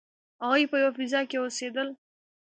هغوی په یوه فضا کې اوسیدل.